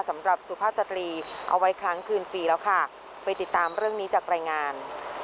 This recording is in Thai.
สุภาพสตรีเอาไว้ครั้งคืนปีแล้วค่ะไปติดตามเรื่องนี้จากรายงาน